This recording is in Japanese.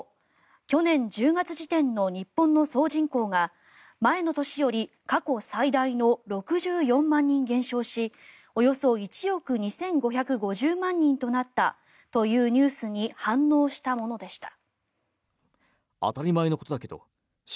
去年１０月時点の日本の総人口が前の年より過去最大の６４万人減少しおよそ１億２５５０万人となったというニュースに反応したものでした。